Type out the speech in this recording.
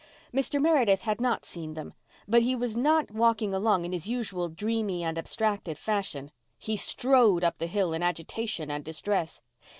Mr. Meredith had not seen them, but he was not walking along in his usual dreamy and abstracted fashion. He strode up the hill in agitation and distress.